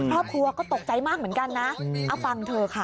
ครอบครัวก็ตกใจมากเหมือนกันนะเอาฟังเธอค่ะ